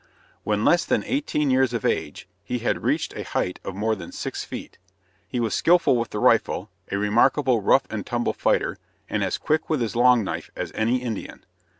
When less than eighteen years of age he had reached a height of more than six feet. He was skilful with the rifle, a remarkable rough and tumble fighter, and as quick with his long knife as any Indian.